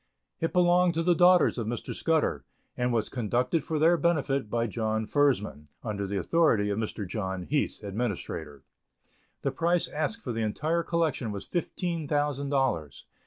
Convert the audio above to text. It belonged to the daughters of Mr. Scudder, and was conducted for their benefit by John Furzman, under the authority of Mr. John Heath, administrator. The price asked for the entire collection was fifteen thousand dollars.